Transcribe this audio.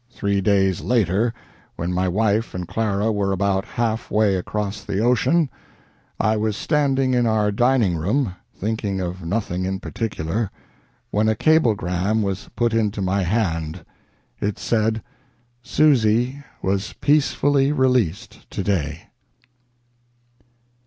Three days later, when my wife and Clara were about half way across the ocean, I was standing in our dining room, thinking of nothing in particular, when a cablegram was put into my hand. It said, 'Susy was peacefully released to day.'"